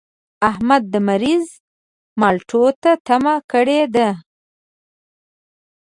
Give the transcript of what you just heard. احمد د مريض مالټو ته تمه کړې ده.